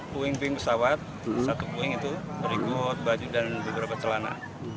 puing puing pesawat satu puing itu berikut baju dan beberapa celana